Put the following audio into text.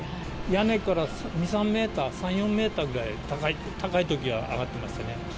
屋根から２、３メーター、３、４メーターくらい、高いときは上がってましたね。